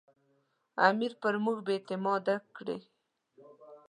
امیر پر موږ بې اعتماده کړي.